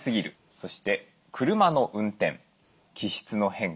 そして車の運転気質の変化